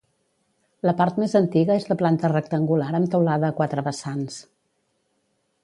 La part més antiga és de planta rectangular amb teulada a quatre vessants.